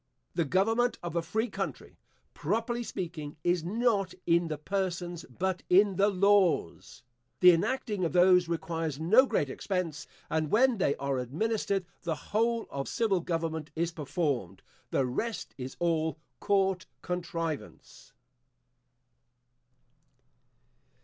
The government of a free country, properly speaking, is not in the persons, but in the laws. The enacting of those requires no great expense; and when they are administered, the whole of civil government is performed the rest is all court contrivance.